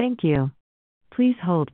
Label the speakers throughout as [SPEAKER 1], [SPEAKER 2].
[SPEAKER 1] Hello, everyone.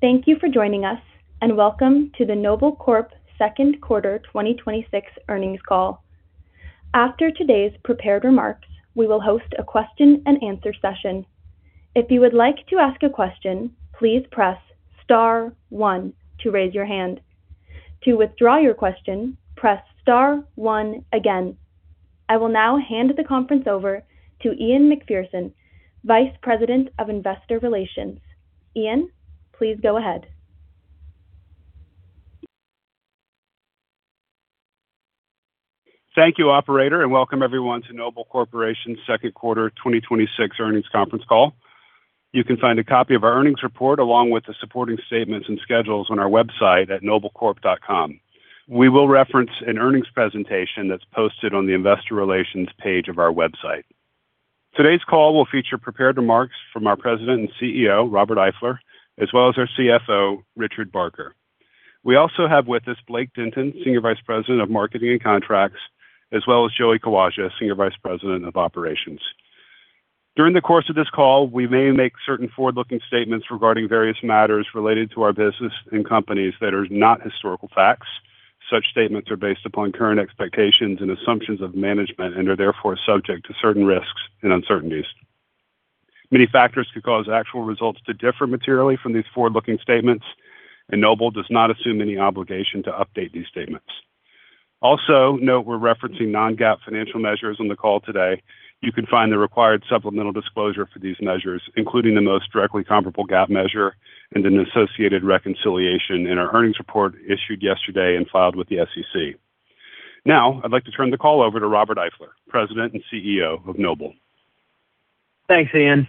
[SPEAKER 1] Thank you for joining us, and welcome to the Noble Corp second quarter 2026 earnings call. After today's prepared remarks, we will host a question and answer session. If you would like to ask a question, please press star one to raise your hand. To withdraw your question, press star one again. I will now hand the conference over to Ian MacPherson, Vice President of Investor Relations. Ian, please go ahead.
[SPEAKER 2] Thank you, operator, and welcome everyone to Noble Corporation's second quarter 2026 earnings conference call. You can find a copy of our earnings report, along with the supporting statements and schedules on our website at noblecorp.com. We will reference an earnings presentation that's posted on the investor relations page of our website. Today's call will feature prepared remarks from our President and CEO, Robert Eifler, as well as our CFO, Richard Barker. We also have with us Blake Denton, Senior Vice President of Marketing and Contracts, as well as Joey Kawaja, Senior Vice President of Operations. During the course of this call, we may make certain forward-looking statements regarding various matters related to our business and companies that are not historical facts. Such statements are based upon current expectations and assumptions of management and are therefore subject to certain risks and uncertainties. Many factors could cause actual results to differ materially from these forward-looking statements, Noble does not assume any obligation to update these statements. Also, note we're referencing non-GAAP financial measures on the call today. You can find the required supplemental disclosure for these measures, including the most directly comparable GAAP measure, and an associated reconciliation in our earnings report issued yesterday and filed with the SEC. Now, I'd like to turn the call over to Robert Eifler, President and CEO of Noble.
[SPEAKER 3] Thanks, Ian.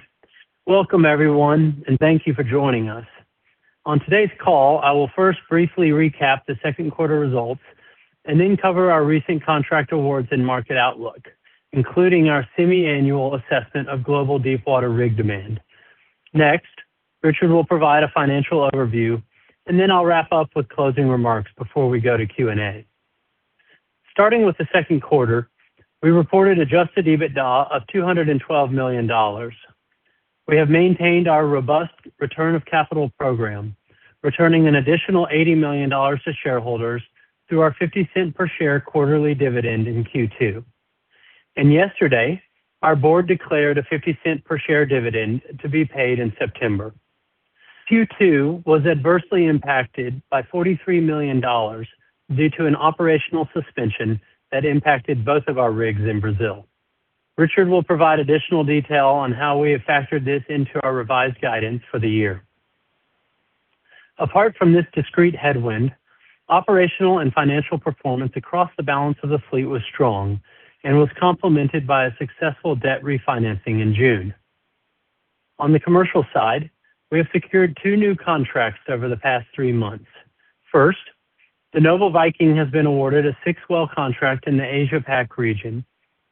[SPEAKER 3] Welcome, everyone, Thank you for joining us. On today's call, I will first briefly recap the second quarter results. Then cover our recent contract awards and market outlook, including our semi-annual assessment of global deepwater rig demand. Next, Richard will provide a financial overview. Then I'll wrap up with closing remarks before we go to Q&A. Starting with the second quarter, we reported adjusted EBITDA of $212 million. We have maintained our robust return of capital program, returning an additional $80 million to shareholders through our $0.50 per share quarterly dividend in Q2. Yesterday, our board declared a $0.50 per share dividend to be paid in September. Q2 was adversely impacted by $43 million due to an operational suspension that impacted both of our rigs in Brazil. Richard will provide additional detail on how we have factored this into our revised guidance for the year. Apart from this discrete headwind, operational and financial performance across the balance of the fleet was strong and was complemented by a successful debt refinancing in June. On the commercial side, we have secured two new contracts over the past three months. First, the Noble Viking has been awarded a six-well contract in the Asia-Pac region,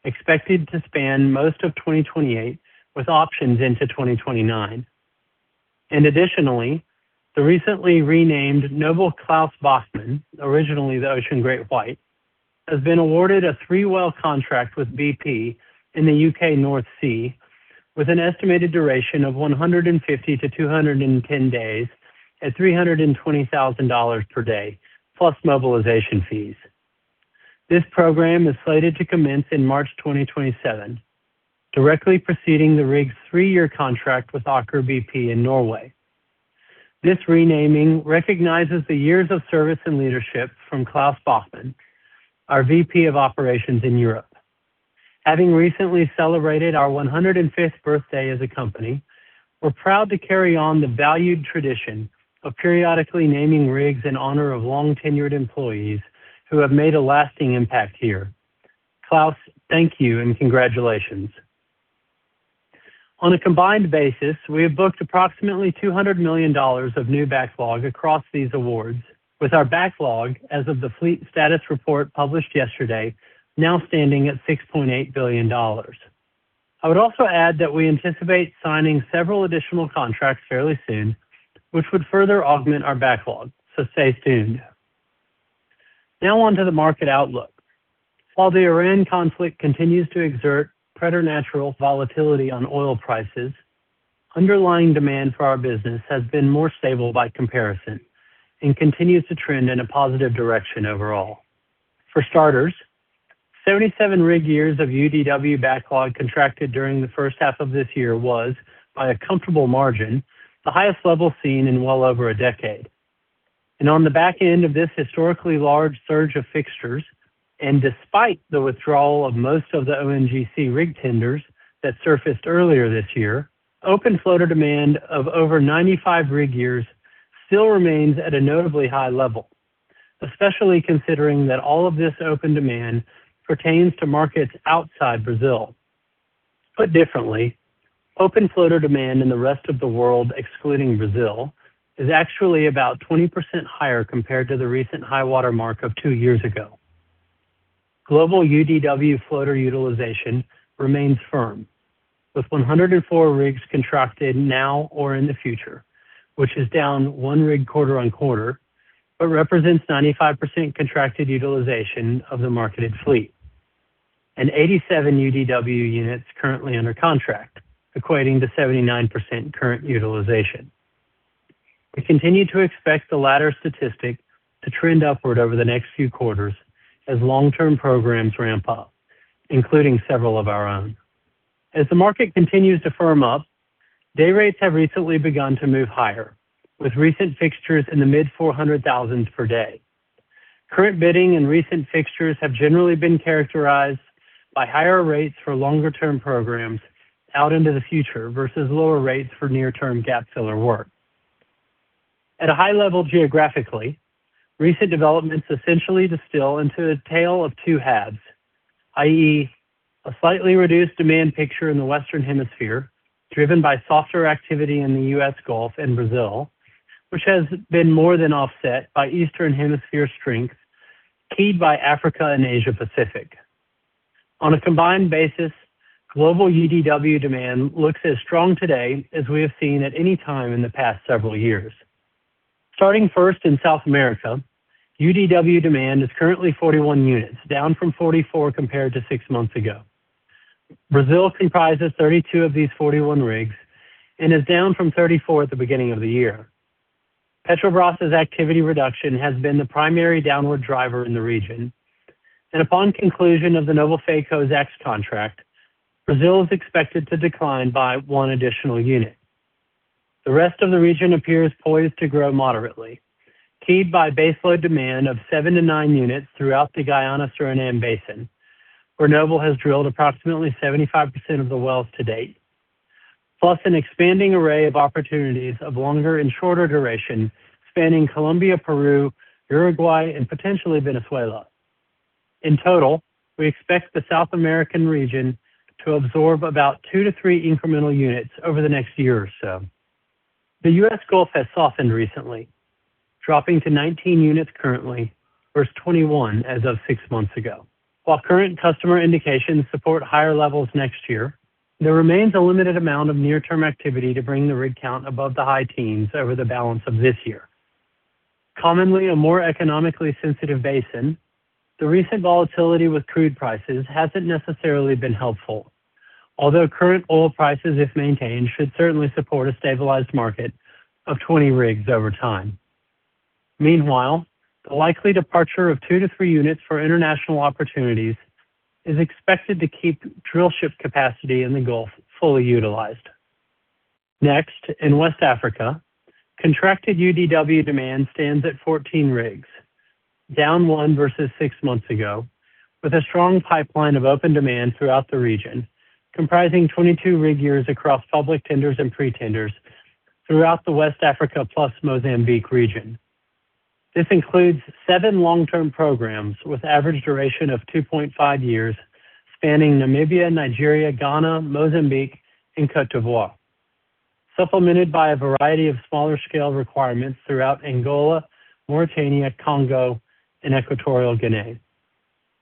[SPEAKER 3] expected to span most of 2028, with options into 2029. Additionally, the recently renamed Noble Claus Bachmann, originally the Ocean GreatWhite, has been awarded a three-well contract with BP in the U.K. North Sea, with an estimated duration of 150-210 days at $320,000 per day, plus mobilization fees. This program is slated to commence in March 2027, directly preceding the rig's three-year contract with Aker BP in Norway. This renaming recognizes the years of service and leadership from Claus Bachmann, our VP of Operations in Europe. Having recently celebrated our 105th birthday as a company, we're proud to carry on the valued tradition of periodically naming rigs in honor of long-tenured employees who have made a lasting impact here. Claus, thank you, and congratulations. On a combined basis, we have booked approximately $200 million of new backlog across these awards with our backlog as of the fleet status report published yesterday, now standing at $6.8 billion. I would also add that we anticipate signing several additional contracts fairly soon, which would further augment our backlog, so stay tuned. Now on to the market outlook. While the Iran conflict continues to exert preternatural volatility on oil prices, underlying demand for our business has been more stable by comparison and continues to trend in a positive direction overall. For starters, 77 rig years of UDW backlog contracted during the first half of this year was, by a comfortable margin, the highest level seen in well over a decade. On the back end of this historically large surge of fixtures, and despite the withdrawal of most of the ONGC rig tenders that surfaced earlier this year, open floater demand of over 95 rig years still remains at a notably high level, especially considering that all of this open demand pertains to markets outside Brazil. Put differently, open floater demand in the rest of the world, excluding Brazil, is actually about 20% higher compared to the recent high water mark of two years ago. Global UDW floater utilization remains firm, with 104 rigs contracted now or in the future, which is down one rig quarter-on-quarter, but represents 95% contracted utilization of the marketed fleet, and 87 UDW units currently under contract, equating to 79% current utilization. We continue to expect the latter statistic to trend upward over the next few quarters as long-term programs ramp up, including several of our own. As the market continues to firm up, day rates have recently begun to move higher, with recent fixtures in the mid-$400,000 per day. Current bidding and recent fixtures have generally been characterized by higher rates for longer-term programs out into the future versus lower rates for near-term gap filler work. At a high level geographically, recent developments essentially distill into a tale of two halves i.e., a slightly reduced demand picture in the Western Hemisphere, driven by softer activity in the U.S. Gulf and Brazil, which has been more than offset by Eastern Hemisphere strength, keyed by Africa and Asia Pacific. On a combined basis, global UDW demand looks as strong today as we have seen at any time in the past several years. Starting first in South America, UDW demand is currently 41 units, down from 44 compared to six months ago. Brazil comprises 32 of these 41 rigs and is down from 34 at the beginning of the year. Petrobras's activity reduction has been the primary downward driver in the region, and upon conclusion of the Noble Faye Kozack contract, Brazil is expected to decline by one additional unit. The rest of the region appears poised to grow moderately, keyed by base load demand of seven to nine units throughout the Guyana-Suriname Basin, where Noble has drilled approximately 75% of the wells to date, plus an expanding array of opportunities of longer and shorter duration spanning Colombia, Peru, Uruguay, and potentially Venezuela. In total, we expect the South American region to absorb about two to three incremental units over the next year or so. The U.S. Gulf has softened recently, dropping to 19 units currently versus 21 as of six months ago. While current customer indications support higher levels next year, there remains a limited amount of near-term activity to bring the rig count above the high teens over the balance of this year. Commonly a more economically sensitive basin, the recent volatility with crude prices hasn't necessarily been helpful. Current oil prices, if maintained, should certainly support a stabilized market of 20 rigs over time. Meanwhile, the likely departure of two to three units for international opportunities is expected to keep drill ship capacity in the Gulf fully utilized. Next, in West Africa, contracted UDW demand stands at 14 rigs, down one versus six months ago, with a strong pipeline of open demand throughout the region, comprising 22 rig years across public tenders and pre-tenders throughout the West Africa plus Mozambique region. This includes seven long-term programs with average duration of 2.5 years, spanning Namibia, Nigeria, Ghana, Mozambique, and Côte d'Ivoire, supplemented by a variety of smaller-scale requirements throughout Angola, Mauritania, Congo, and Equatorial Guinea.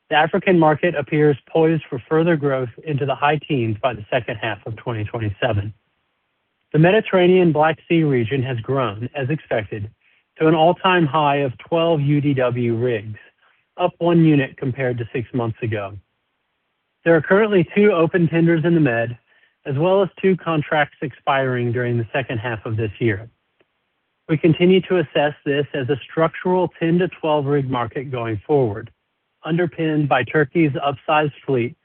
[SPEAKER 3] The African market appears poised for further growth into the high teens by the second half of 2027. The Mediterranean Black Sea region has grown, as expected, to an all-time high of 12 UDW rigs, up one unit compared to six months ago. There are currently two open tenders in the Med, as well as two contracts expiring during the second half of this year. We continue to assess this as a structural 10 to 12 rig market going forward, underpinned by Turkey's upsized fleet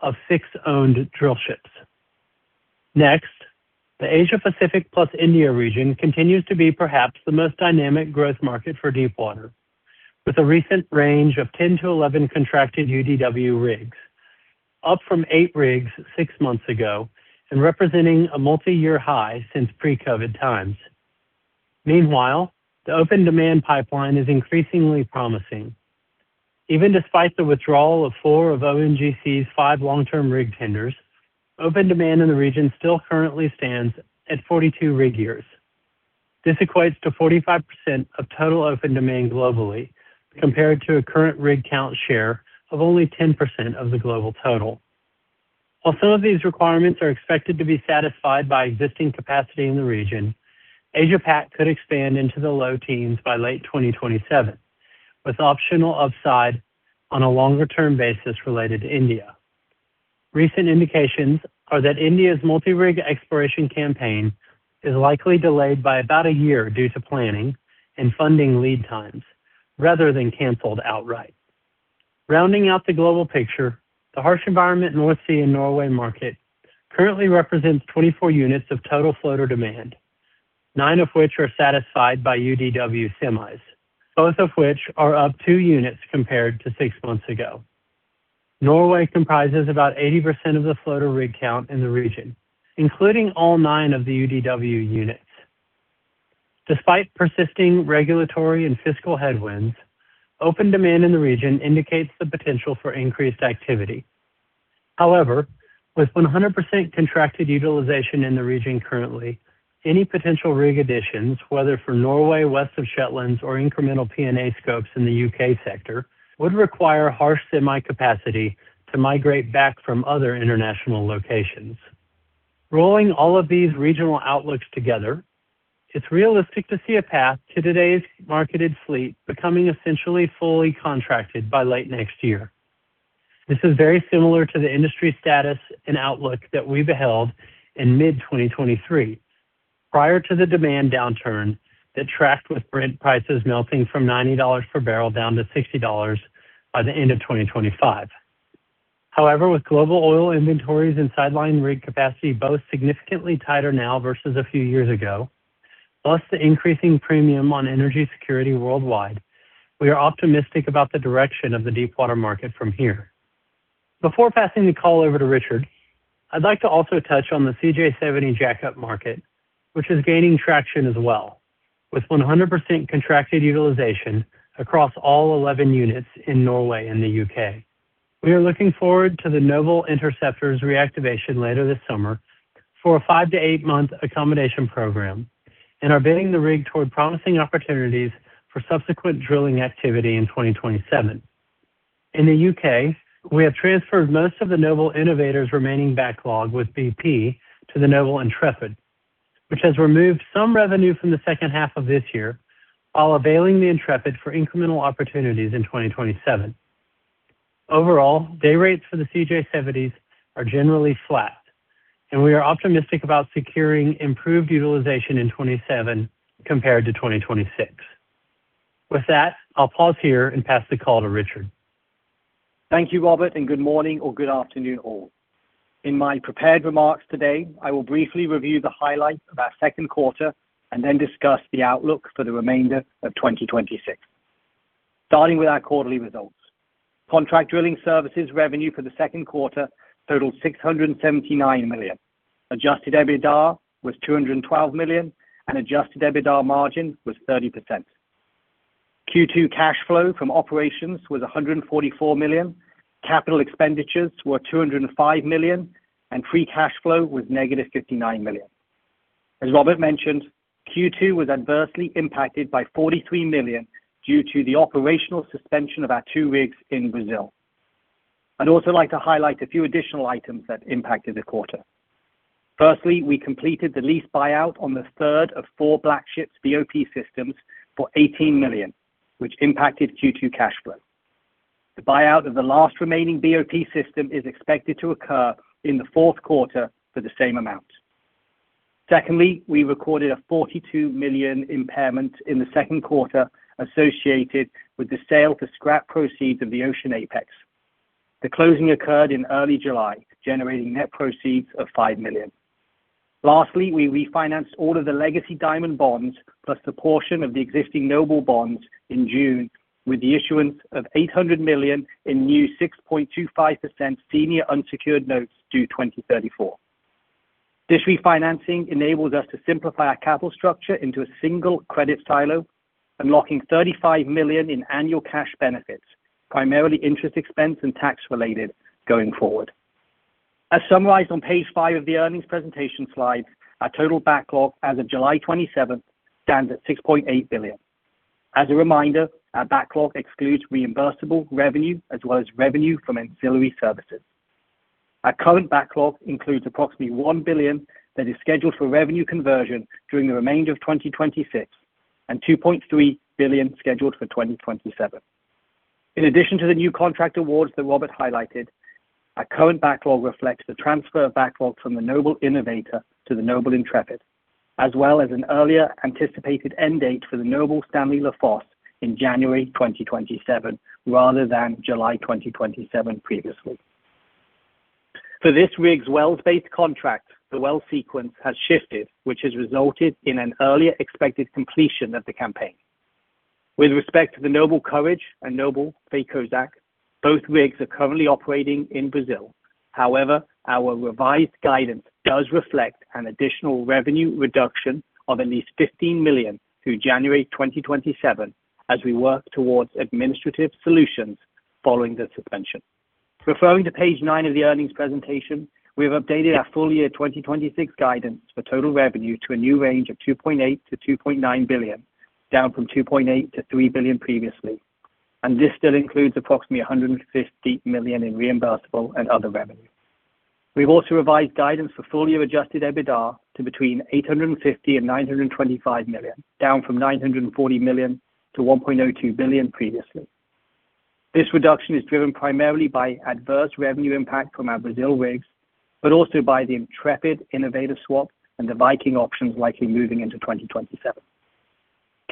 [SPEAKER 3] of six owned drill ships. Next, the Asia Pacific plus India region continues to be perhaps the most dynamic growth market for deepwater, with a recent range of 10 to 11 contracted UDW rigs, up from eight rigs six months ago and representing a multi-year high since pre-COVID times. Meanwhile, the open demand pipeline is increasingly promising. Even despite the withdrawal of five of ONGC's five long-term rig tenders, open demand in the region still currently stands at 42 rig years. This equates to 45% of total open demand globally, compared to a current rig count share of only 10% of the global total. While some of these requirements are expected to be satisfied by existing capacity in the region, Asia-Pac could expand into the low teens by late 2027, with optional upside on a longer-term basis related to India. Recent indications are that India's multi-rig exploration campaign is likely delayed by about a year due to planning and funding lead times, rather than canceled outright. Rounding out the global picture, the harsh environment North Sea and Norway market currently represents 24 units of total floater demand, nine of which are satisfied by UDW semis, both of which are up two units compared to six months ago. Norway comprises about 80% of the floater rig count in the region, including all nine of the UDW units. Despite persisting regulatory and fiscal headwinds, open demand in the region indicates the potential for increased activity. However, with 100% contracted utilization in the region currently, any potential rig additions, whether for Norway, west of Shetland, or incremental P&A scopes in the U.K. sector, would require harsh semi capacity to migrate back from other international locations. Rolling all of these regional outlooks together, it's realistic to see a path to today's marketed fleet becoming essentially fully contracted by late next year. This is very similar to the industry status and outlook that we beheld in mid-2023, prior to the demand downturn that tracked with Brent prices melting from $90 per bbl down to $60 by the end of 2025. However, with global oil inventories and sideline rig capacity both significantly tighter now versus a few years ago, plus the increasing premium on energy security worldwide, we are optimistic about the direction of the Deepwater market from here. Before passing the call over to Richard, I'd like to also touch on the CJ70 jackup market, which is gaining traction as well, with 100% contracted utilization across all 11 units in Norway and the U.K. We are looking forward to the Noble Interceptor's reactivation later this summer for a five to eight-month accommodation program and are bidding the rig toward promising opportunities for subsequent drilling activity in 2027. In the U.K., we have transferred most of the Noble Innovator's remaining backlog with BP to the Noble Intrepid, which has removed some revenue from the second half of this year while availing the Noble Intrepid for incremental opportunities in 2027. Overall, day rates for the CJ70s are generally flat, and we are optimistic about securing improved utilization in 2027 compared to 2026. With that, I'll pause here and pass the call to Richard.
[SPEAKER 4] Thank you, Robert, and good morning or good afternoon all. In my prepared remarks today, I will briefly review the highlights of our second quarter and then discuss the outlook for the remainder of 2026. Starting with our quarterly results. Contract drilling services revenue for the second quarter totaled $679 million. Adjusted EBITDA was $212 million, and adjusted EBITDA margin was 30%. Q2 cash flow from operations was $144 million, capital expenditures were $205 million, and free cash flow was -$59 million. As Robert mentioned, Q2 was adversely impacted by $43 million due to the operational suspension of our two rigs in Brazil. I'd also like to highlight a few additional items that impacted the quarter. Firstly, we completed the lease buyout on the third of four Blackships BOP systems for $18 million, which impacted Q2 cash flow. The buyout of the last remaining BOP system is expected to occur in the fourth quarter for the same amount. Secondly, we recorded a $42 million impairment in the second quarter associated with the sale to scrap proceeds of the Ocean Apex. The closing occurred in early July, generating net proceeds of $5 million. Lastly, we refinanced all of the legacy Diamond bonds, plus the portion of the existing Noble bonds in June, with the issuance of $800 million in new 6.25% senior unsecured notes due 2034. This refinancing enables us to simplify our capital structure into a single credit silo, unlocking $35 million in annual cash benefits, primarily interest expense and tax-related, going forward. As summarized on page five of the earnings presentation slide, our total backlog as of July 27th stands at $6.8 billion. As a reminder, our backlog excludes reimbursable revenue as well as revenue from ancillary services. Our current backlog includes approximately $1 billion that is scheduled for revenue conversion during the remainder of 2026 and $2.3 billion scheduled for 2027. In addition to the new contract awards that Robert highlighted, our current backlog reflects the transfer of backlogs from the Noble Innovator to the Noble Intrepid, as well as an earlier anticipated end date for the Noble Stanley Lafosse in January 2027, rather than July 2027 previously. For this rig's wells-based contract, the well sequence has shifted, which has resulted in an earlier expected completion of the campaign. With respect to the Noble Courage and Noble Faye Kozack, both rigs are currently operating in Brazil. However, our revised guidance does reflect an additional revenue reduction of at least $15 million through January 2027 as we work towards administrative solutions following the suspension. Referring to page nine of the earnings presentation, we have updated our full-year 2026 guidance for total revenue to a new range of $2.8 billion-$2.9 billion, down from $2.8 billion-$3 billion previously. This still includes approximately $150 million in reimbursable and other revenue. We've also revised guidance for full-year adjusted EBITDA to between $850 million and $925 million, down from $940 million-$1.02 billion previously. This reduction is driven primarily by adverse revenue impact from our Brazil rigs, but also by the Intrepid-Innovator swap and the Viking options likely moving into 2027.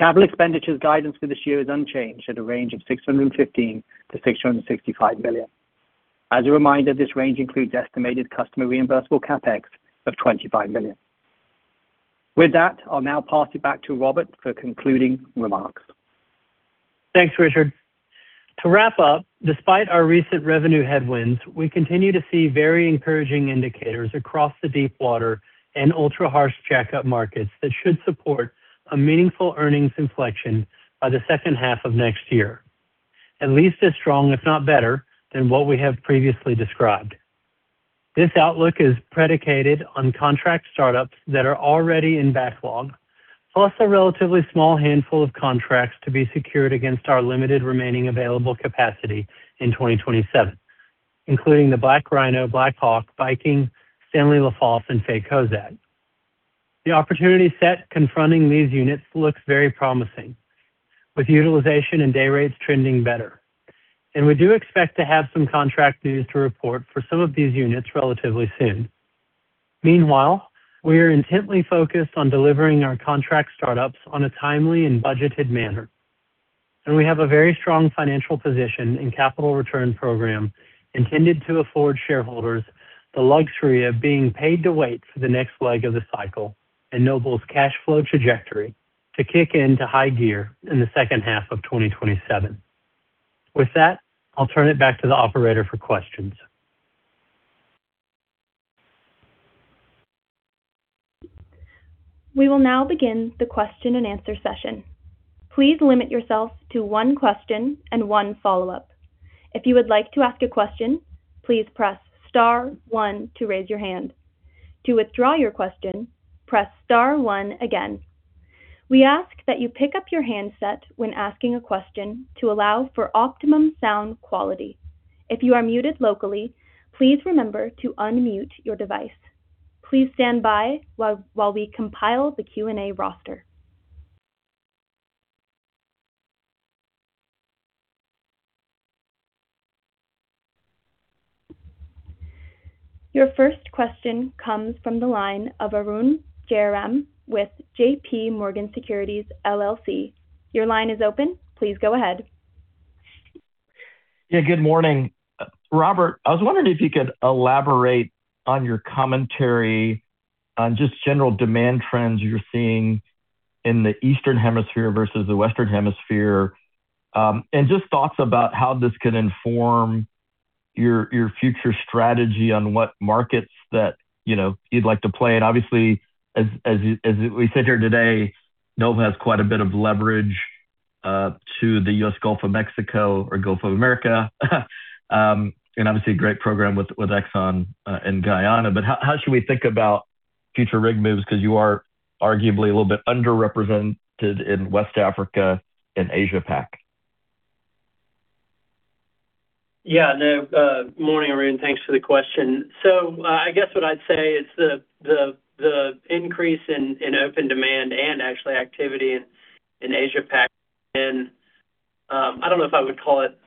[SPEAKER 4] Capital expenditures guidance for this year is unchanged at a range of $615 million-$665 million. As a reminder, this range includes estimated customer reimbursable CapEx of $25 million. With that, I'll now pass it back to Robert for concluding remarks.
[SPEAKER 3] Thanks, Richard. To wrap up, despite our recent revenue headwinds, we continue to see very encouraging indicators across the deepwater and ultra-harsh jackup markets that should support a meaningful earnings inflection by the second half of next year, at least as strong, if not better, than what we have previously described. This outlook is predicated on contract startups that are already in backlog, plus a relatively small handful of contracts to be secured against our limited remaining available capacity in 2027, including the Noble BlackRhino, Noble BlackHawk, Noble Viking, Noble Stanley Lafosse and Noble Faye Kozack. The opportunity set confronting these units looks very promising, with utilization and day rates trending better, and we do expect to have some contract news to report for some of these units relatively soon. Meanwhile, we are intently focused on delivering our contract startups on a timely and budgeted manner, and we have a very strong financial position and capital return program intended to afford shareholders the luxury of being paid to wait for the next leg of the cycle and Noble's cash flow trajectory to kick into high gear in the second half of 2027. With that, I'll turn it back to the operator for questions.
[SPEAKER 1] We will now begin the question-and-answer session. Please limit yourself to one question and one follow-up. If you would like to ask a question, please press star one to raise your hand. To withdraw your question, press star one again. We ask that you pick up your handset when asking a question to allow for optimum sound quality. If you are muted locally, please remember to unmute your device. Please stand by while we compile the Q&A roster. Your first question comes from the line of Arun Jayaram with JPMorgan Securities LLC. Your line is open. Please go ahead.
[SPEAKER 5] Yeah. Good morning. Robert, I was wondering if you could elaborate on your commentary on just general demand trends you're seeing in the Eastern Hemisphere versus the Western Hemisphere, and just thoughts about how this could inform your future strategy on what markets that you'd like to play. Obviously, as we sit here today, Noble has quite a bit of leverage to the U.S. Gulf of Mexico or Gulf of America. Obviously a great program with ExxonMobil and Guyana. How should we think about future rig moves? Because you are arguably a little bit underrepresented in West Africa and Asia Pac.
[SPEAKER 3] Yeah. Morning, Arun. Thanks for the question. I guess what I'd say is the increase in open demand and actually activity in Asia Pac, I don't know if I would call it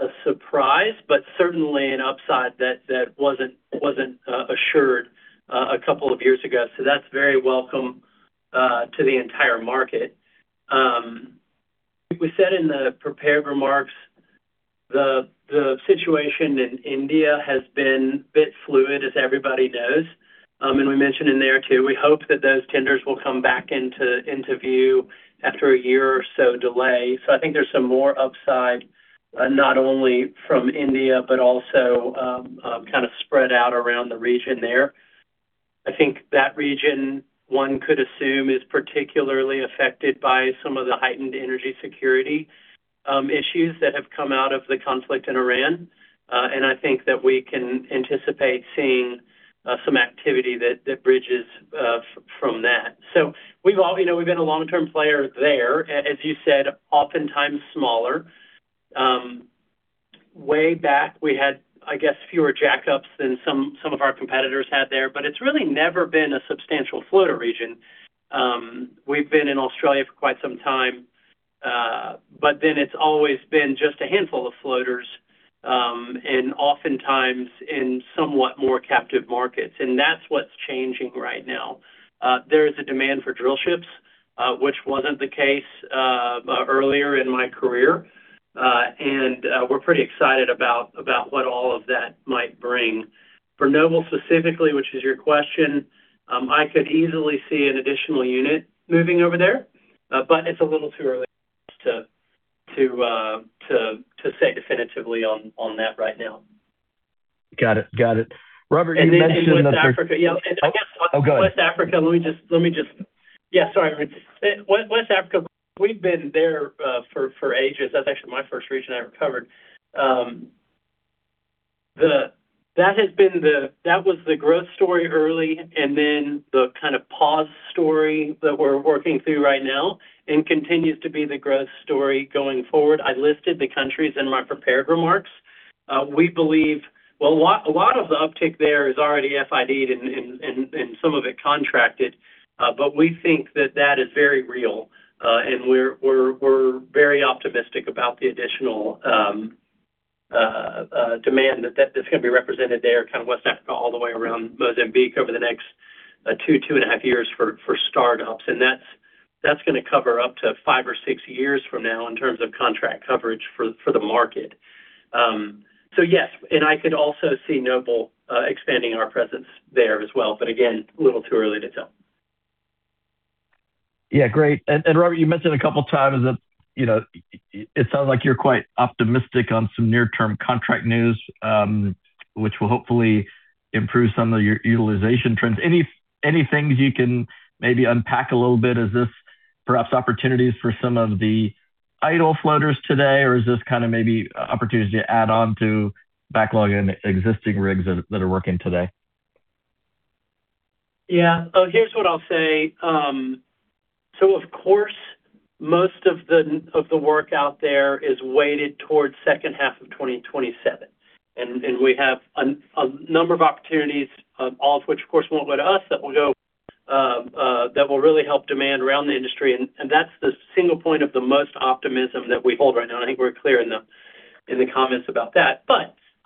[SPEAKER 3] a surprise, but certainly an upside that wasn't assured a couple of years ago. That's very welcome to the entire market. We said in the prepared remarks, the situation in India has been a bit fluid, as everybody knows. We mentioned in there, too, we hope that those tenders will come back into view after a year or so delay. I think there's some more upside, not only from India, but also kind of spread out around the region there. I think that region, one could assume, is particularly affected by some of the heightened energy security issues that have come out of the conflict in Iran. I think that we can anticipate seeing some activity that bridges from that. We've been a long-term player there, as you said, oftentimes smaller. Way back, we had, I guess, fewer jackups than some of our competitors had there, but it's really never been a substantial floater region. We've been in Australia for quite some time. It's always been just a handful of floaters, and oftentimes in somewhat more captive markets. That's what's changing right now. There is a demand for drill ships, which wasn't the case earlier in my career. We're pretty excited about what all of that might bring. For Noble specifically, which is your question, I could easily see an additional unit moving over there. It's a little too early to say definitively on that right now.
[SPEAKER 5] Got it. Robert, you mentioned.
[SPEAKER 3] In West Africa. Yeah.
[SPEAKER 5] Oh, go ahead.
[SPEAKER 3] West Africa, let me just, yeah, sorry. West Africa, we've been there for ages. That's actually my first region I ever covered. That was the growth story early and then the kind of pause story that we're working through right now and continues to be the growth story going forward. I listed the countries in my prepared remarks. We believe, well, a lot of the uptick there is already FID'd and some of it contracted. We think that that is very real, and we're very optimistic about the additional demand that's going to be represented there, kind of West Africa all the way around Mozambique over the next two and a half years for startups. That's going to cover up to five or six years from now in terms of contract coverage for the market. Yes, I could also see Noble expanding our presence there as well. Again, a little too early to tell.
[SPEAKER 5] Yeah, great. Robert, you mentioned a couple times that it sounds like you're quite optimistic on some near-term contract news, which will hopefully improve some of your utilization trends. Any things you can maybe unpack a little bit? Is this perhaps opportunities for some of the idle floaters today, or is this kind of maybe an opportunity to add on to backlog in existing rigs that are working today?
[SPEAKER 3] Yeah. Here's what I'll say. Of course, most of the work out there is weighted towards second half of 2027, we have a number of opportunities, all of which of course won't go to us, that will really help demand around the industry, and that's the single point of the most optimism that we hold right now. I think we're clear in the comments about that.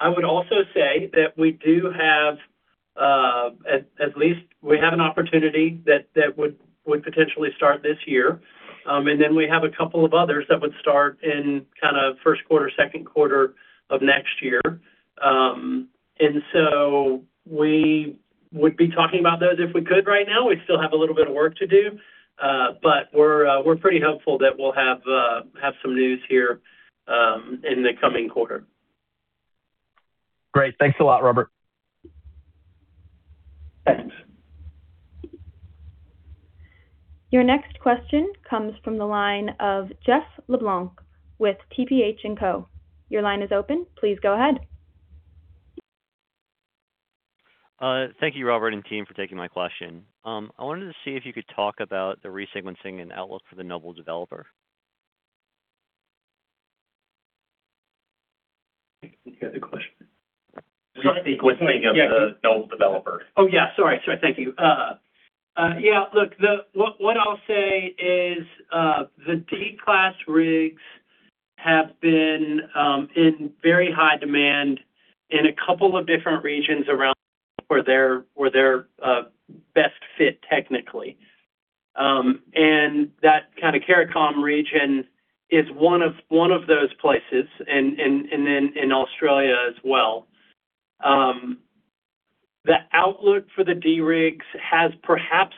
[SPEAKER 3] I would also say that we do have, at least, we have an opportunity that would potentially start this year. We have a couple of others that would start in kind of first quarter, second quarter of next year. We would be talking about those if we could right now. We still have a little bit of work to do. We're pretty hopeful that we'll have some news here in the coming quarter.
[SPEAKER 5] Great. Thanks a lot, Robert.
[SPEAKER 3] Thanks.
[SPEAKER 1] Your next question comes from the line of Jeff LeBlanc with TPH & Co. Your line is open. Please go ahead.
[SPEAKER 6] Thank you, Robert and team, for taking my question. I wanted to see if you could talk about the resequencing and outlook for the Noble Developer.
[SPEAKER 3] Can you repeat the question?
[SPEAKER 6] Resequencing of the Noble Developer.
[SPEAKER 3] Oh, yeah. Sorry. Thank you. Yeah, look, what I'll say is the D class rigs have been in very high demand in a couple of different regions around where they're best fit technically. That kind of CARICOM region is one of those places, then in Australia as well. The outlook for the D rigs has perhaps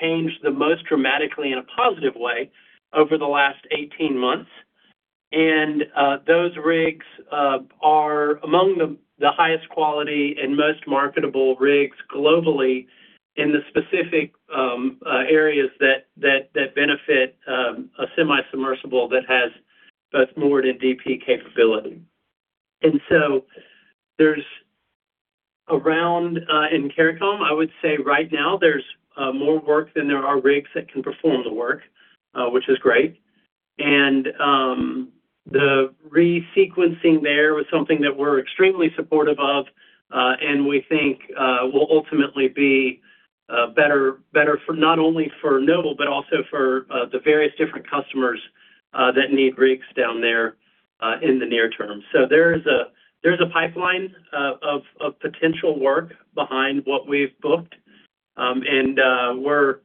[SPEAKER 3] changed the most dramatically in a positive way over the last 18 months. Those rigs are among the highest quality and most marketable rigs globally in the specific areas that benefit a semi-submersible that has both moored and DP capability. There's around in CARICOM, I would say right now there's more work than there are rigs that can perform the work, which is great. The resequencing there was something that we're extremely supportive of, and we think will ultimately be better not only for Noble, but also for the various different customers that need rigs down there in the near term. There's a pipeline of potential work behind what we've booked, and we're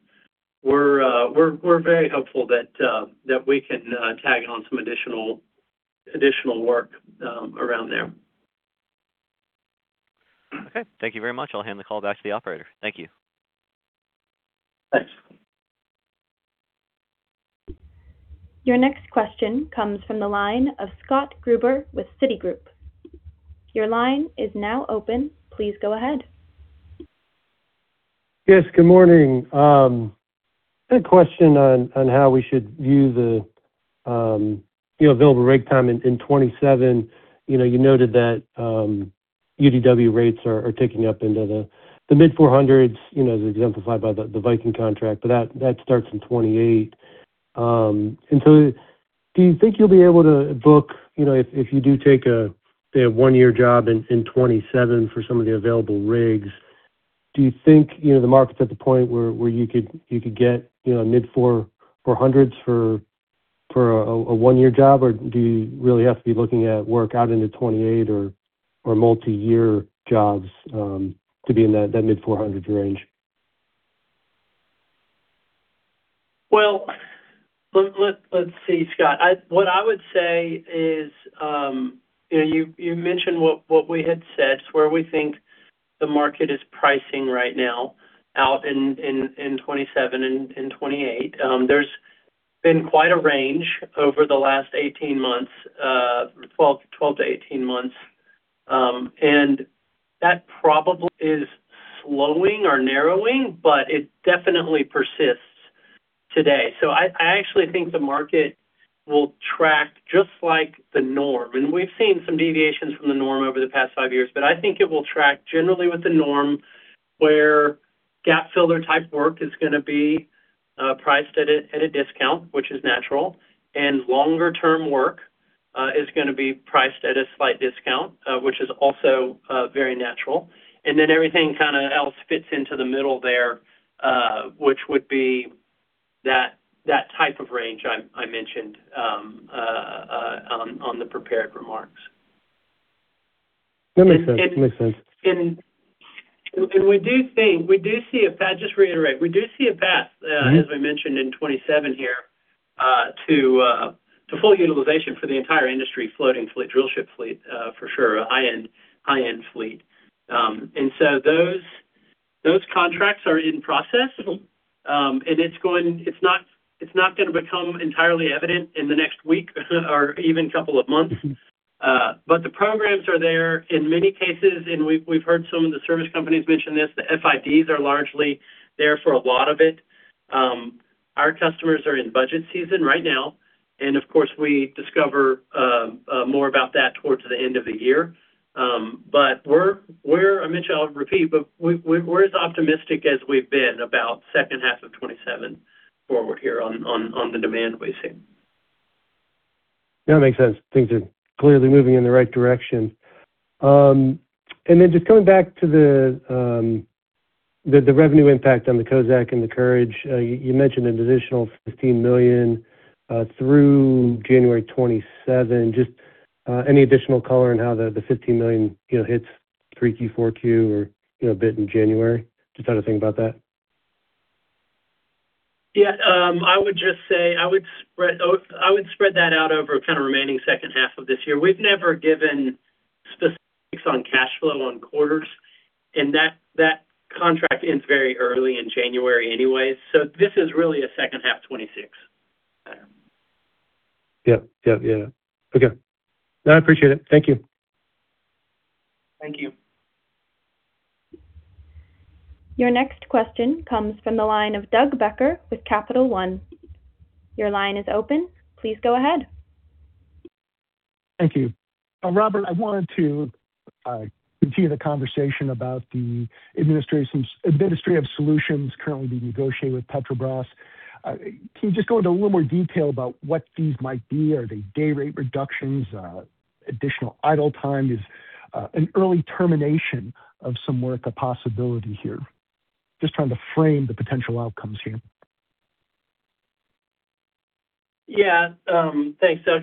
[SPEAKER 3] very hopeful that we can tag on some additional work around there.
[SPEAKER 6] Okay. Thank you very much. I'll hand the call back to the operator. Thank you.
[SPEAKER 3] Thanks.
[SPEAKER 1] Your next question comes from the line of Scott Gruber with Citigroup. Your line is now open. Please go ahead.
[SPEAKER 7] Yes, good morning. I had a question on how we should view the available rig time in 2027. You noted that UDW rates are ticking up into the mid $400,000s, as exemplified by the Noble Viking contract, but that starts in 2028. Do you think you'll be able to book, if you do take a say, a one-year job in 2027 for some of the available rigs, do you think the market's at the point where you could get mid $400,000s for a one-year job or do you really have to be looking at work out into 2028 or multi-year jobs to be in that mid $400,000s range?
[SPEAKER 3] Well, let's see, Scott. What I would say is, you mentioned what we had said, where we think the market is pricing right now out in 2027 and 2028. There's been quite a range over the last 18 months, 12 to 18 months. That probably is slowing or narrowing, but it definitely persists today. I actually think the market will track just like the norm. We've seen some deviations from the norm over the past five years. I think it will track generally with the norm where gap-filler type work is going to be priced at a discount, which is natural, and longer-term work is going to be priced at a slight discount, which is also very natural. Everything else fits into the middle there, which would be that type of range I mentioned on the prepared remarks.
[SPEAKER 7] That makes sense.
[SPEAKER 3] We do see a path, just to reiterate. As we mentioned in 2027 here, to full utilization for the entire industry floating fleet, drillship fleet, for sure, a high-end fleet. Those contracts are in process. It's not going to become entirely evident in the next week or even couple of months. The programs are there in many cases, and we've heard some of the service companies mention this. The FIDs are largely there for a lot of it. Our customers are in budget season right now, and of course, we discover more about that towards the end of the year. I'll repeat, we're as optimistic as we've been about the second half of 2027 forward here on the demand we've seen.
[SPEAKER 7] No, it makes sense. Things are clearly moving in the right direction. Just going back to the revenue impact on the Kozack and the Courage. You mentioned an additional $15 million through January 2027. Just any additional color on how the $15 million hits 3Q, 4Q or a bit in January? Just how to think about that?
[SPEAKER 3] Yeah. I would just say, I would spread that out over kind of remaining second half of this year. We've never given specifics on cash flow on quarters, and that contract ends very early in January anyways. This is really a second half 2026.
[SPEAKER 7] Yep. Okay. No, I appreciate it. Thank you.
[SPEAKER 3] Thank you.
[SPEAKER 1] Your next question comes from the line of Doug Becker with Capital One. Your line is open. Please go ahead.
[SPEAKER 8] Thank you. Robert, I wanted to continue the conversation about the administrative solutions currently being negotiated with Petrobras. Can you just go into a little more detail about what these might be? Are they day rate reductions, additional idle time? Is an early termination of some work a possibility here? Just trying to frame the potential outcomes here.
[SPEAKER 3] Yeah. Thanks, Doug.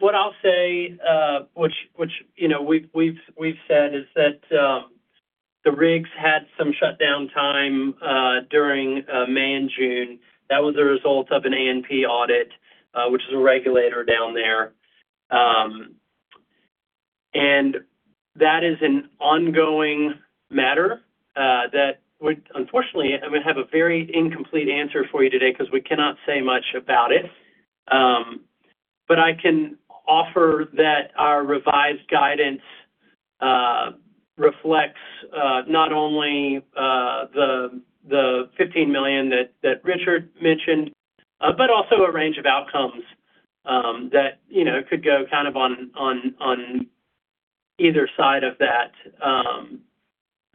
[SPEAKER 3] What I'll say, which we've said, is that the rigs had some shutdown time during May and June. That was a result of an ANP audit, which is a regulator down there. That is an ongoing matter that would, unfortunately, I would have a very incomplete answer for you today because we cannot say much about it. I can offer that our revised guidance reflects not only the $15 million that Richard mentioned, but also a range of outcomes that could go on either side of that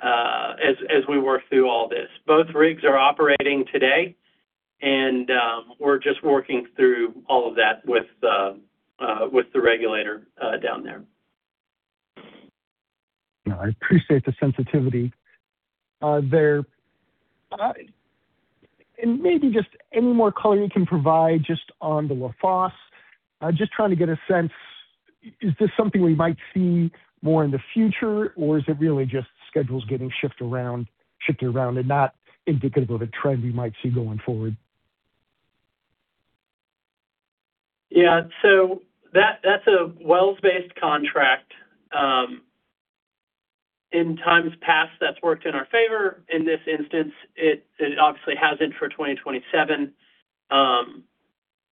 [SPEAKER 3] as we work through all this. Both rigs are operating today, and we're just working through all of that with the regulator down there.
[SPEAKER 8] No, I appreciate the sensitivity there. Maybe just any more color you can provide just on the Lafosse. Just trying to get a sense, is this something we might see more in the future, or is it really just schedules getting shifted around and not indicative of a trend we might see going forward?
[SPEAKER 3] That's a wells-based contract. In times past, that's worked in our favor. In this instance, it obviously hasn't for 2027.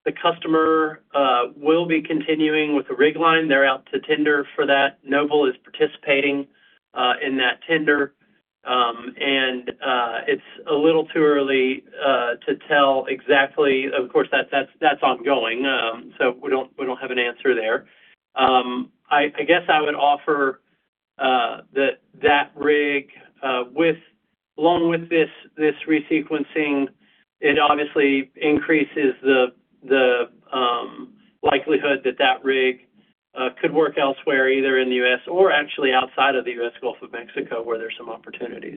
[SPEAKER 3] The customer will be continuing with the rig line. They're out to tender for that. Noble is participating in that tender, and it's a little too early to tell exactly. Of course, that's ongoing, so we don't have an answer there. I guess I would offer that rig, along with this resequencing, it obviously increases the likelihood that rig could work elsewhere, either in the U.S. or actually outside of the U.S. Gulf of Mexico, where there's some opportunities.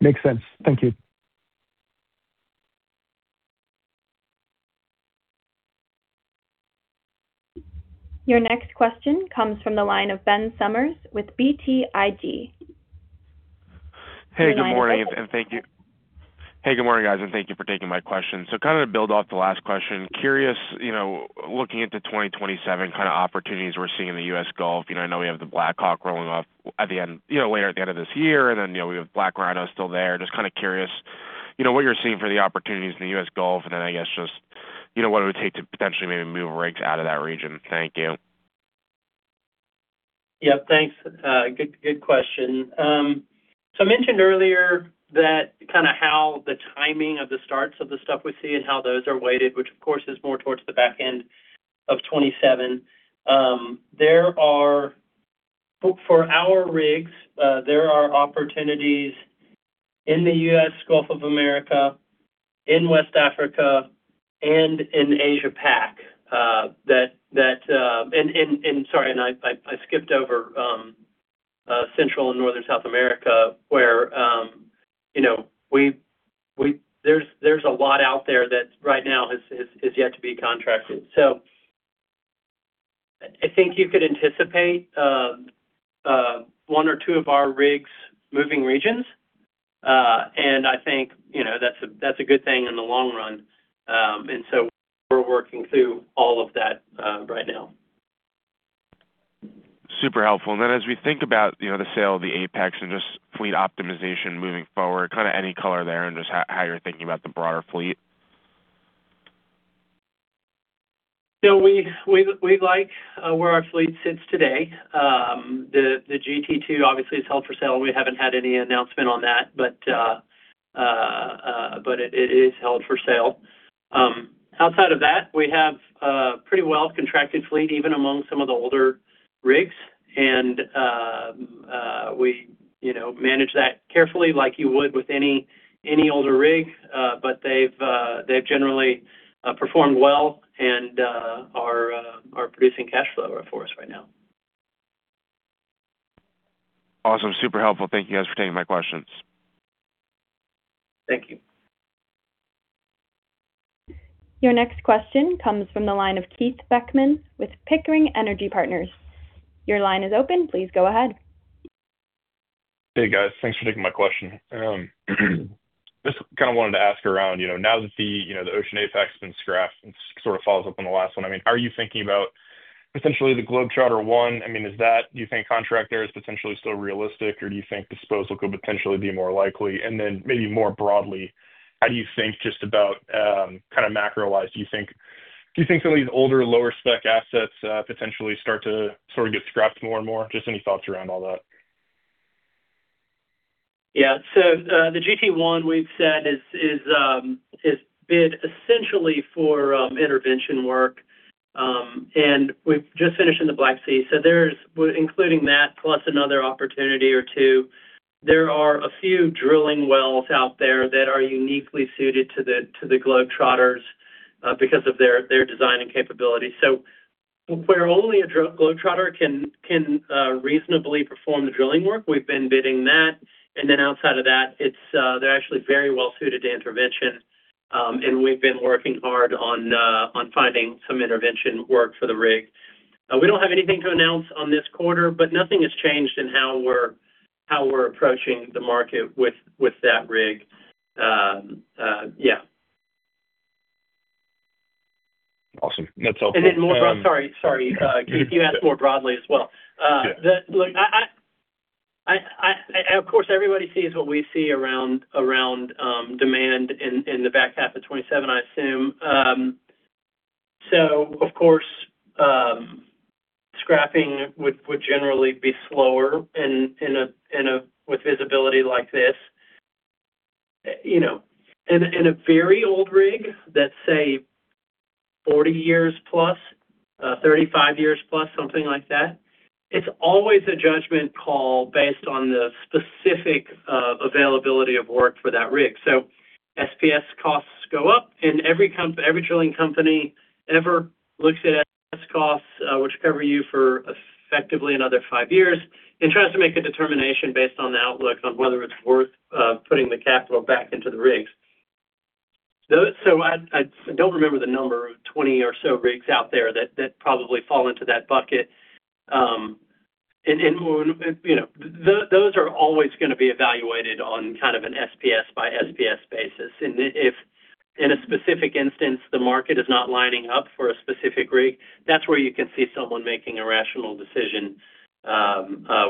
[SPEAKER 8] Makes sense. Thank you.
[SPEAKER 1] Your next question comes from the line of Ben Sommers with BTIG. Your line is open.
[SPEAKER 9] Hey, good morning, guys. Thank you for taking my question. Kind of to build off the last question, curious, looking into 2027 kind of opportunities we're seeing in the U.S. Gulf. I know we have the BlackHawk rolling off later at the end of this year, and then we have BlackRhino still there. Just kind of curious, what you're seeing for the opportunities in the U.S. Gulf, and then, I guess, just what it would take to potentially maybe move rigs out of that region. Thank you.
[SPEAKER 3] Yeah, thanks. Good question. I mentioned earlier that kind of how the timing of the starts of the stuff we see and how those are weighted, which, of course, is more towards the back end of 2027. For our rigs, there are opportunities in the U.S. Gulf of America, in West Africa, and in Asia Pac. Sorry, I skipped over Central and Northern South America, where there's a lot out there that right now is yet to be contracted. I think you could anticipate one or two of our rigs moving regions. I think that's a good thing in the long run. We're working through all of that right now.
[SPEAKER 9] Super helpful. As we think about the sale of the Apex and just fleet optimization moving forward, kind of any color there and just how you're thinking about the broader fleet.
[SPEAKER 3] We like where our fleet sits today. The GT2 obviously is held for sale. We haven't had any announcement on that, but it is held for sale. Outside of that, we have a pretty well-contracted fleet, even among some of the older rigs. We manage that carefully like you would with any older rig. They've generally performed well and are producing cash flow for us right now.
[SPEAKER 9] Awesome. Super helpful. Thank you guys for taking my questions.
[SPEAKER 3] Thank you.
[SPEAKER 1] Your next question comes from the line of Keith Beckman with Pickering Energy Partners. Your line is open. Please go ahead.
[SPEAKER 10] Hey, guys. Thanks for taking my question. Just kind of wanted to ask around, now that the Ocean Apex has been scrapped and sort of follows up on the last one, are you thinking about potentially the Globetrotter I? Do you think contract there is potentially still realistic, or do you think disposal could potentially be more likely? Maybe more broadly, how do you think just about kind of macro-wise? Do you think some of these older, lower-spec assets potentially start to sort of get scrapped more and more? Just any thoughts around all that.
[SPEAKER 3] Yeah. The GT1 we've said is bid essentially for intervention work, and we've just finished in the Black Sea. Including that plus another opportunity or two, there are a few drilling wells out there that are uniquely suited to the Globetrotters because of their design and capability. Where only a Globetrotter can reasonably perform the drilling work, we've been bidding that. Outside of that, they're actually very well-suited to intervention, and we've been working hard on finding some intervention work for the rig. We don't have anything to announce on this quarter, but nothing has changed in how we're approaching the market with that rig. Yeah.
[SPEAKER 10] Awesome. That's helpful.
[SPEAKER 3] Sorry, Keith, you asked more broadly as well.
[SPEAKER 10] Yeah.
[SPEAKER 3] Of course, everybody sees what we see around demand in the back half of 2027, I assume. Of course, scrapping would generally be slower with visibility like this. In a very old rig that say 40 years plus, 35 years plus, something like that, it's always a judgment call based on the specific availability of work for that rig. SPS costs go up and every drilling company ever looks at SPS costs, which cover you for effectively another five years and tries to make a determination based on the outlook on whether it's worth putting the capital back into the rigs. I don't remember the number of 20 or so rigs out there that probably fall into that bucket. Those are always going to be evaluated on kind of an SPS by SPS basis. If in a specific instance, the market is not lining up for a specific rig, that's where you can see someone making a rational decision,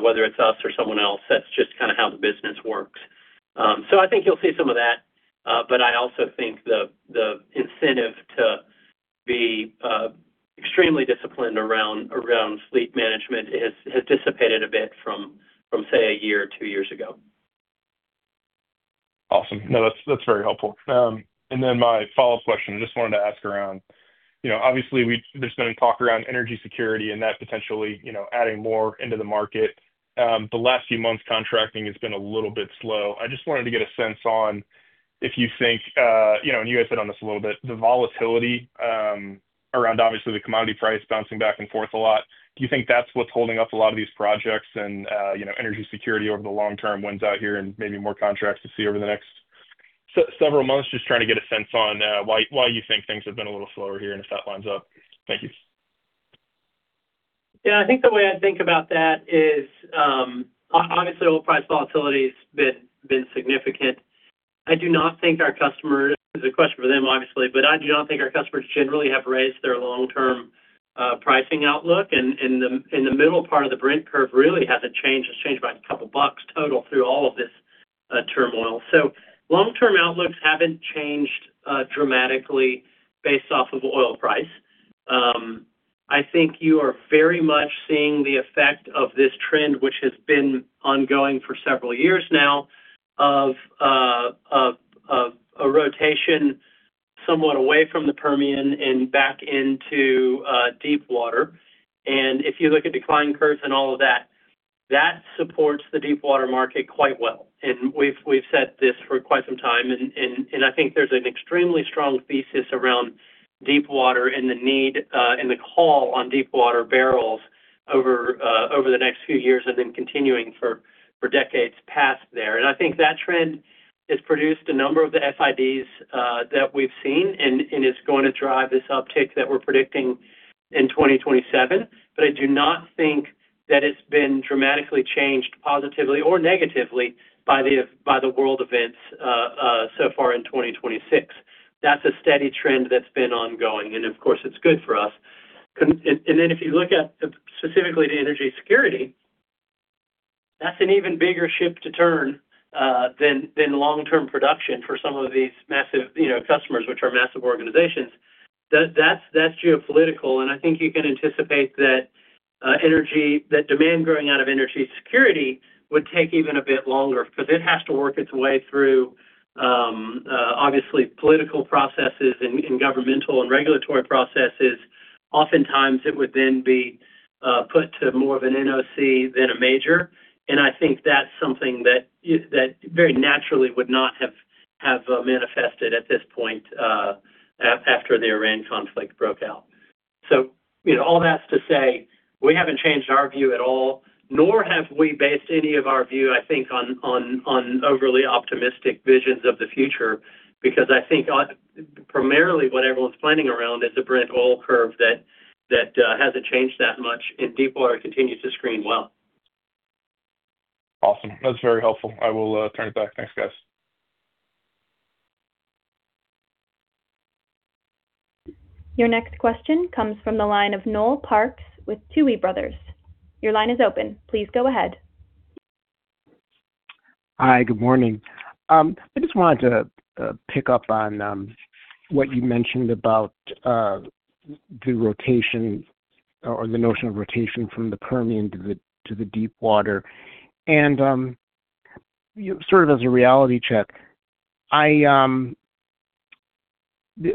[SPEAKER 3] whether it's us or someone else. That's just kind of how the business works. I think you'll see some of that. I also think the incentive to be extremely disciplined around fleet management has dissipated a bit from, say, a year or two years ago.
[SPEAKER 10] Awesome. No, that's very helpful. My follow-up question, just wanted to ask around, obviously there's been talk around energy security and that potentially adding more into the market. The last few months, contracting has been a little bit slow. I just wanted to get a sense on if you think, and you guys hit on this a little bit, the volatility around obviously the commodity price bouncing back and forth a lot, do you think that's what's holding up a lot of these projects and energy security over the long term wins out here and maybe more contracts to see over the next several months? Just trying to get a sense on why you think things have been a little slower here and if that lines up. Thank you.
[SPEAKER 3] Yeah, I think the way I think about that is, obviously oil price volatility's been significant. I do not think our customers, it's a question for them obviously, but I do not think our customers generally have raised their long-term pricing outlook. The middle part of the Brent curve really hasn't changed. It's changed by a couple of bucks total through all of this turmoil. Long-term outlooks haven't changed dramatically based off of oil price. I think you are very much seeing the effect of this trend, which has been ongoing for several years now, of a rotation somewhat away from the Permian and back into deepwater. If you look at decline curves and all of that supports the deepwater market quite well, and we've said this for quite some time. I think there's an extremely strong thesis around Deepwater and the need and the call on Deepwater barrels over the next few years and then continuing for decades past there. I think that trend has produced a number of the FIDs that we've seen, and it's going to drive this uptick that we're predicting in 2027. I do not think that it's been dramatically changed positively or negatively by the world events so far in 2026. That's a steady trend that's been ongoing, and of course it's good for us. If you look at specifically the energy security, that's an even bigger ship to turn than long-term production for some of these massive customers, which are massive organizations. That's geopolitical, I think you can anticipate that demand growing out of energy security would take even a bit longer because it has to work its way through, obviously political processes and governmental and regulatory processes. Oftentimes, it would then be put to more of an NOC than a major. I think that's something that very naturally would not have manifested at this point after the Iran conflict broke out. All that's to say, we haven't changed our view at all, nor have we based any of our view, I think, on overly optimistic visions of the future. I think primarily what everyone's planning around is a Brent oil curve that hasn't changed that much, and Deepwater continues to screen well.
[SPEAKER 10] Awesome. That's very helpful. I will turn it back. Thanks, guys.
[SPEAKER 1] Your next question comes from the line of Noel Parks with Tuohy Brothers. Your line is open. Please go ahead.
[SPEAKER 11] Hi, good morning. I just wanted to pick up on what you mentioned about the rotation or the notion of rotation from the Permian to the Deepwater. Sort of as a reality check,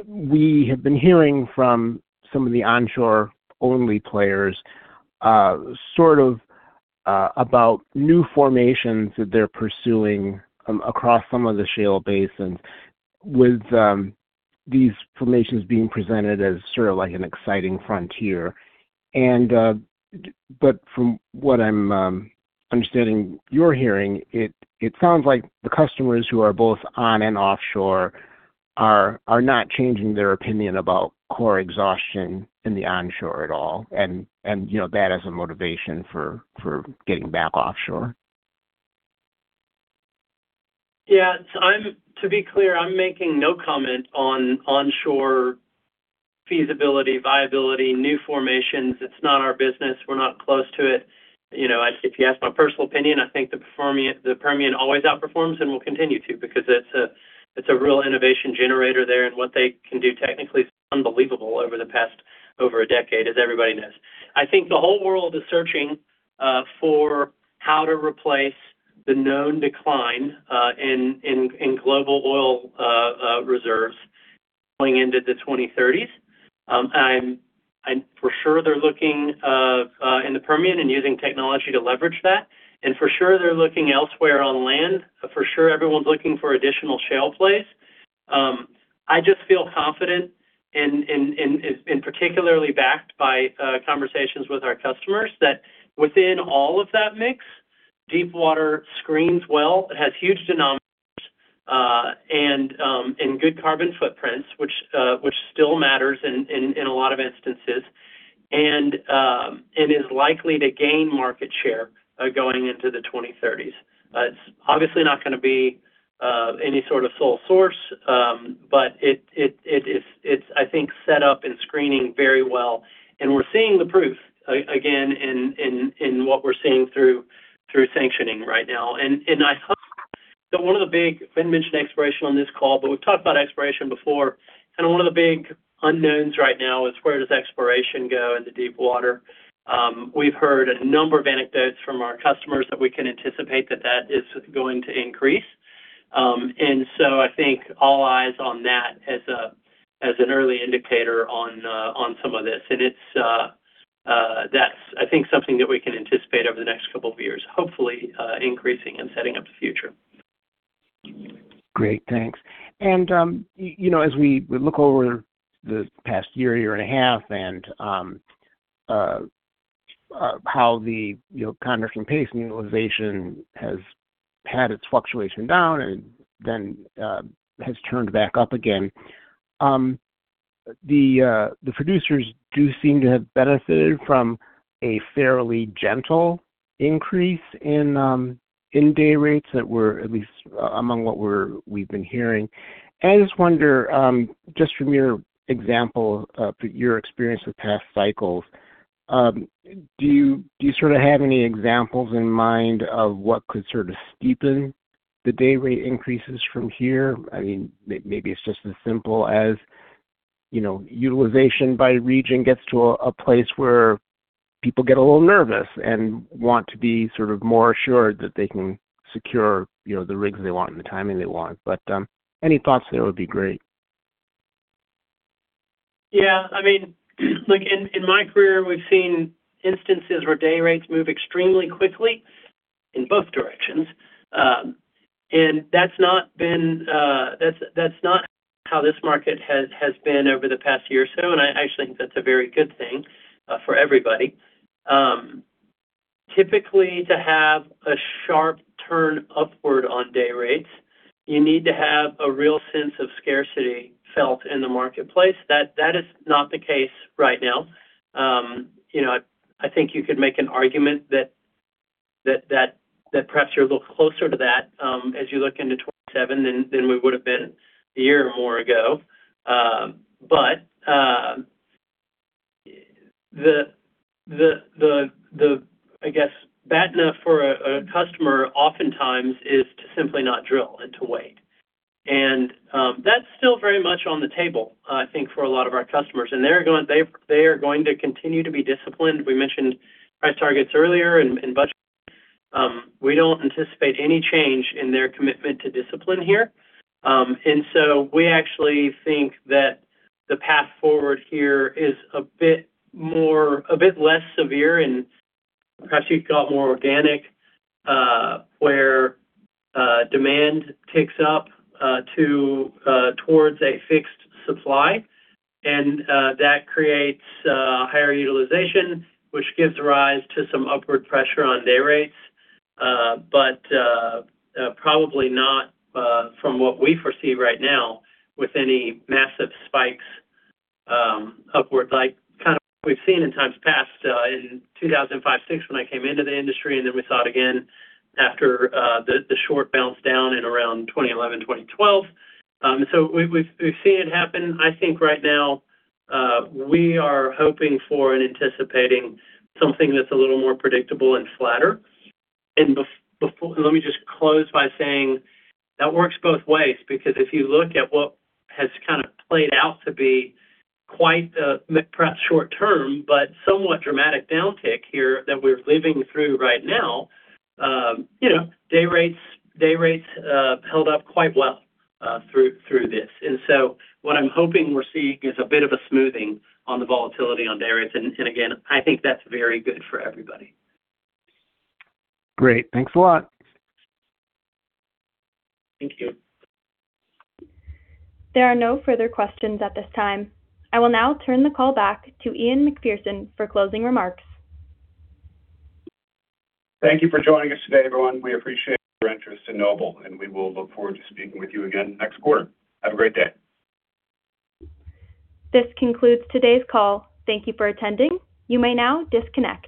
[SPEAKER 11] we have been hearing from some of the onshore only players about new formations that they're pursuing across some of the shale basins with these formations being presented as sort of like an exciting frontier. From what I'm understanding you're hearing, it sounds like the customers who are both on and offshore are not changing their opinion about core exhaustion in the onshore at all, and that as a motivation for getting back offshore.
[SPEAKER 3] Yeah. To be clear, I'm making no comment on onshore feasibility, viability, new formations. It's not our business. We're not close to it. If you ask my personal opinion, I think the Permian always outperforms and will continue to because it's a real innovation generator there, and what they can do technically is unbelievable over the past decade, as everybody knows. I think the whole world is searching for how to replace the known decline in global oil reserves going into the 2030s. For sure they're looking in the Permian and using technology to leverage that. For sure they're looking elsewhere on land. For sure everyone's looking for additional shale plays. I just feel confident and particularly backed by conversations with our customers that within all of that mix, Deepwater screens well. It has huge denominators and good carbon footprints, which still matters in a lot of instances, and is likely to gain market share going into the 2030s. It's obviously not going to be any sort of sole source, but it's, I think, set up and screening very well. We're seeing the proof, again, in what we're seeing through sanctioning right now. One of the big, Ben mentioned exploration on this call, but we've talked about exploration before, and one of the big unknowns right now is where does exploration go into Deepwater? We've heard a number of anecdotes from our customers that we can anticipate that that is going to increase. I think all eyes on that as an early indicator on some of this. That's, I think, something that we can anticipate over the next couple of years, hopefully increasing and setting up the future.
[SPEAKER 11] Great, thanks. As we look over the past year and a half, and how the contract and pace utilization has had its fluctuation down and then has turned back up again. The producers do seem to have benefited from a fairly gentle increase in day rates that were at least among what we've been hearing. I just wonder, just from your example of your experience with past cycles, do you have any examples in mind of what could steepen the day rate increases from here? Maybe it's just as simple as, utilization by region gets to a place where people get a little nervous and want to be more assured that they can secure the rigs they want and the timing they want. Any thoughts there would be great.
[SPEAKER 3] Yeah. In my career, we've seen instances where day rates move extremely quickly in both directions. That's not how this market has been over the past year or so, and I actually think that's a very good thing for everybody. Typically, to have a sharp turn upward on day rates, you need to have a real sense of scarcity felt in the marketplace. That is not the case right now. I think you could make an argument that perhaps you're a little closer to that as you look into 2027 than we would've been a year or more ago. The, I guess, bad enough for a customer oftentimes is to simply not drill and to wait. That's still very much on the table, I think, for a lot of our customers, and they are going to continue to be disciplined. We mentioned price targets earlier and budgeting. We don't anticipate any change in their commitment to discipline here. We actually think that the path forward here is a bit less severe and perhaps you'd call it more organic, where demand ticks up towards a fixed supply. That creates higher utilization, which gives rise to some upward pressure on day rates. Probably not from what we foresee right now with any massive spikes upwards like what we've seen in times past, in 2005, 2006, when I came into the industry. We saw it again after the short bounce down in around 2011, 2012. We've seen it happen. I think right now, we are hoping for and anticipating something that's a little more predictable and flatter. Let me just close by saying that works both ways because if you look at what has played out to be quite, perhaps short-term, but somewhat dramatic downtick here that we're living through right now. Day rates held up quite well through this. What I'm hoping we're seeing is a bit of a smoothing on the volatility on day rates. Again, I think that's very good for everybody.
[SPEAKER 11] Great. Thanks a lot.
[SPEAKER 3] Thank you.
[SPEAKER 1] There are no further questions at this time. I will now turn the call back to Ian MacPherson for closing remarks.
[SPEAKER 2] Thank you for joining us today, everyone. We appreciate your interest in Noble. We will look forward to speaking with you again next quarter. Have a great day.
[SPEAKER 1] This concludes today's call. Thank you for attending. You may now disconnect.